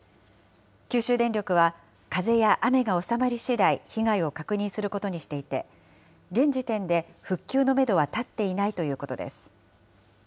九州電力は、風や雨が収まりしだい、被害を確認することにしていて、現時点で、復旧のメドは立っていないということです。